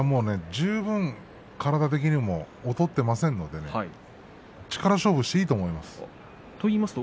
十分、体的にも劣っていませんので力勝負をしていいと思います。